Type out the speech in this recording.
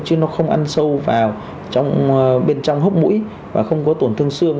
chứ nó không ăn sâu vào trong bên trong hốc mũi và không có tổn thương xương